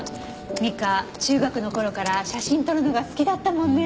美香中学の頃から写真撮るのが好きだったもんね。